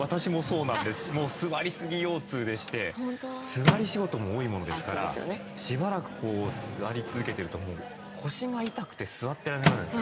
座り仕事も多いものですからしばらく座り続けてるともう腰が痛くて座ってられなくなるんですよね。